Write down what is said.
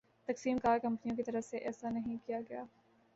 تقسیم کار کمپنیوں کی طرف سے ایسا نہیں کیا گیا